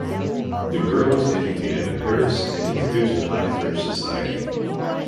The girl was educated in Paris and introduced to high French society.